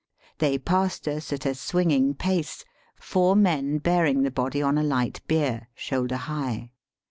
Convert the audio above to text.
They passed us at a swinging pace, four men bearing the body on a light bier, shoulder high.